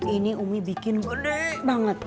ini umi bikin gulai banget